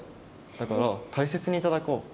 だからたいせつにいただこう。